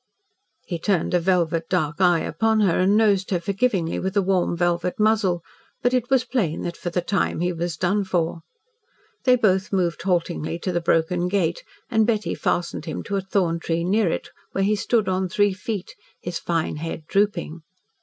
He turned a velvet dark eye upon her, and nosed her forgivingly with a warm velvet muzzle, but it was plain that, for the time, he was done for. They both moved haltingly to the broken gate, and Betty fastened him to a thorn tree near it, where he stood on three feet, his fine head drooping.